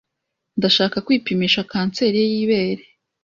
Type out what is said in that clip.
Ndashaka kwipimisha kanseri y'ibere.